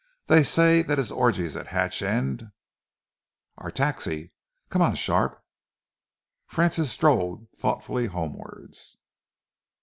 They say that his orgies at Hatch End Our taxi. Come on, Sharpe." Francis strolled thoughtfully homewards.